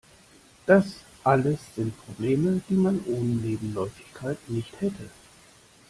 Das alles sind Probleme, die man ohne Nebenläufigkeit nicht hätte.